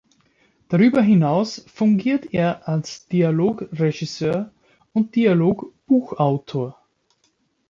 Darüber hinaus fungiert er als Dialogregisseur und Dialogbuchautor.